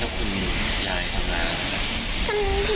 แล้วคุณยายทำงานอะไรคะ